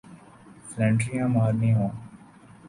فلنٹریاں مارنی ہوں۔